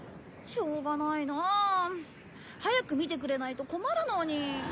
しょうがないなあ。早く見てくれないと困るのに。